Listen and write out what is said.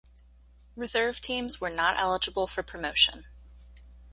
Reserve teams were not eligible for promotion.